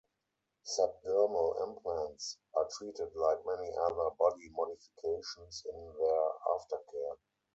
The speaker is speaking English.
Subdermal implants are treated like many other body modifications in their aftercare.